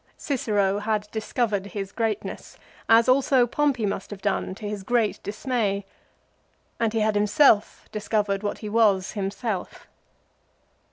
Cicero had discovered his greatness, as also Pompey must have done, to his great dismay. And he had himself discovered what he was him self.